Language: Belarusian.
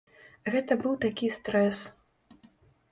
Гэта быў такі стрэс.